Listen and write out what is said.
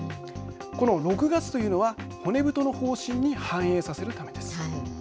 この６月というのは骨太の方針に反映させるためです。